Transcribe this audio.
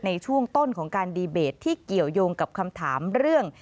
ในช่วงต้นของการดีเบตที่เกี่ยวยงกับคำถามเรื่อง